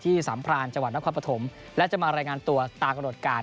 ที่สัมพลาณจังหวัดนักความประถมและจะมารายงานตัวตากระโดดการ